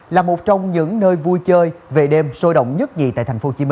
là một trong những nơi vui chơi về đêm sôi động nhất gì tại tp hcm